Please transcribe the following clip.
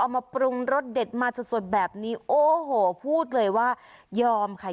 มาสดแบบนี้โอ้โหพูดเลยว่ายอมค่ะ